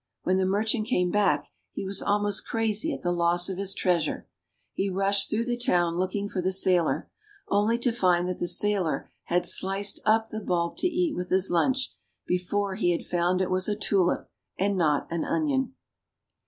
When the merchant came back he was almost crazy at the loss of his treasure. He rushed through the town looking for the sailor, only to find that the sailor had sliced up the bulb to eat with his lunch, before he had found it was a tulip and not an onion.